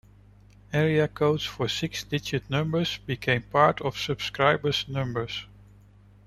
Area codes for six-digit numbers became part of subscriber's numbers.